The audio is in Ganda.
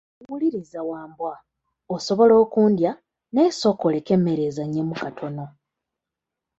Wuliriza Wambwa, osobola okundya naye sooka oleke emmere ezaanyemu katono.